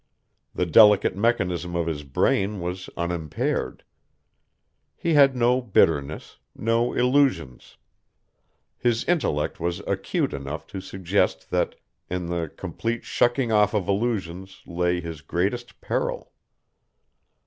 The delicate mechanism of his brain was unimpaired. He had no bitterness no illusions. His intellect was acute enough to suggest that in the complete shucking off of illusions lay his greatest peril.